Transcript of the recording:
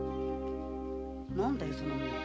何だよその目は。